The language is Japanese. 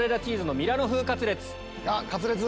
カツレツ！